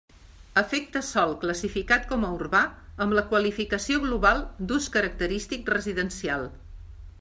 Afecta sòl classificat com a urbà amb la qualificació global d'ús característic residencial.